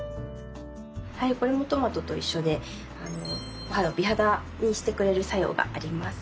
はいこれもトマトと一緒で美肌にしてくれる作用があります。